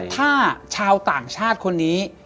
ถ้าชาวต่างชาติคนนี้